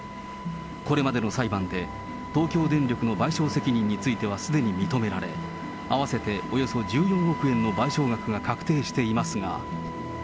これまでの裁判で東京電力の賠償責任についてはすでに認められ、合わせておよそ１４億円の賠償額が確定していますが。